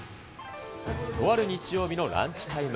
とある日曜日のランチタイム。